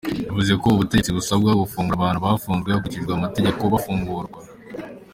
Yavuze ko ubutegetsi busabwa gufungura abantu “bafunzwe hakurikijwe amategeko”, bafungurwa.